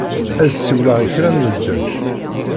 Ad siwleɣ i kra n medden.